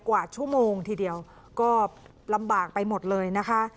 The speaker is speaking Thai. กว่าชั่วโมงทีเดียวก็ลำบากไปหมดเลยนะคะ